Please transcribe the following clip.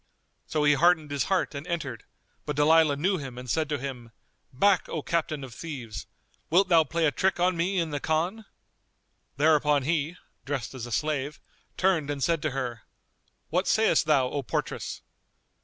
So he heartened his heart and entered; but Dalilah knew him and said to him, "Back, O captain of thieves! Wilt thou play a trick on me in the Khan?" Thereupon he (dressed as a slave) turned and said to her, "What sayest thou, O portress?"